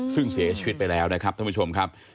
ซึ่งเสียชีวิตไปแล้วนะครับท่านผู้ชมครับ